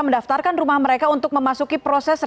mendaftarkan rumah mereka untuk memasuki proses